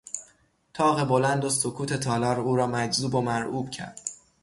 تاق بلند و سکوت تالار او را مجذوب و مرعوب کرد.